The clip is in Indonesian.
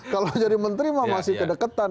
kalau jadi menteri mah masih kedekatan